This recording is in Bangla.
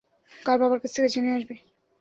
কাল বাবার কাছ থেকে জেনে আসবে।